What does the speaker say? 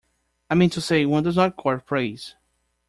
I mean to say, one does not court praise.